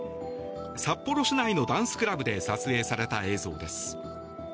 札幌市内のダンスクラブで撮影された映像です。